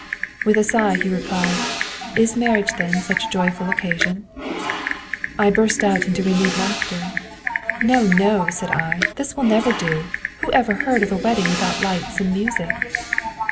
'With a sigh he replied: "Is marriage then such a joyful occasion?" 'I burst out into renewed laughter. "No, no," said I, "this will never do. Who ever heard of a wedding without lights and music?"